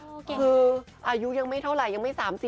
มีอายุอย่างไม่เท่าไรไม่๓๐